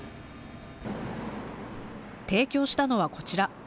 提供したのはこちら。